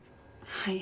はい。